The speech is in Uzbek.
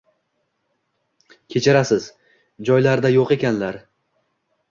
Kechirasiz, joylarida yo’q ekanlar